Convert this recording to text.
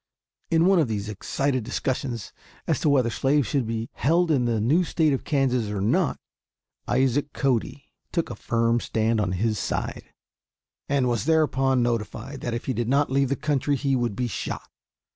In one of these excited discussions as to whether slaves should be held in the new State of Kansas or not, Isaac Cody took a firm stand on his side, and was thereupon notified that if he did not leave the country he would be shot.